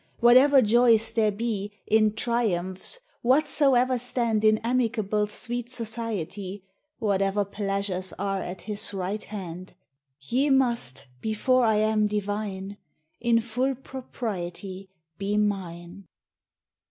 Whatever joys there be In triumphs, whatsoever stand In amicable sweet society, Whatever pleasures are at His right hand, Ye must before I am divine, In full propriety be mine.